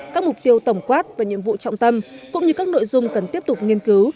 các mục tiêu tổng quát và nhiệm vụ trọng tâm cũng như các nội dung cần tiếp tục nghiên cứu